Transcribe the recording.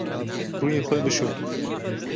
Rûyê xwe bişo.